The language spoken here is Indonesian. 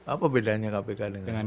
apa bedanya kpk dengan